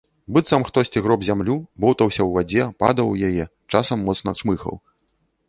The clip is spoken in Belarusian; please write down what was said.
Быццам хтосьці гроб зямлю, боўтаўся ў вадзе, падаў у яе, часам моцна чмыхаў.